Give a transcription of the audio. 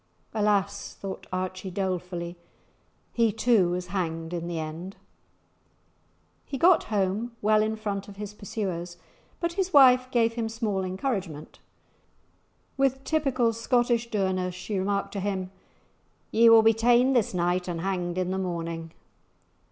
"Alas!" thought Archie, dolefully, "he too was hanged in the end!" He got home well in front of his pursuers, but his wife gave him small encouragement. With typical Scottish dourness she remarked to him, "Ye will be ta'en this night and hanged i' the morning."